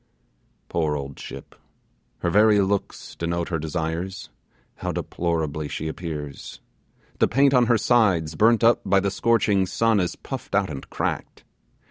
Poor old ship! Her very looks denote her desires! how deplorably she appears! The paint on her sides, burnt up by the scorching sun, is puffed out and cracked.